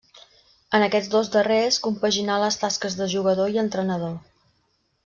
En aquests dos darrers compaginà les tasques de jugador i entrenador.